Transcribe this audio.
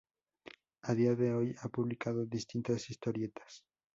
A día de hoy ha publicado distintas historietas.